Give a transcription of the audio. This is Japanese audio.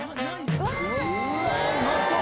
うわっうまそう！